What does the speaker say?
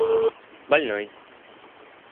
больной